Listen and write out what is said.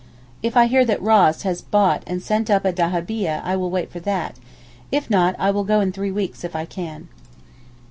If I hear that Ross has bought and sent up a dahabieh I will wait for that, if not I will go in three weeks if I can.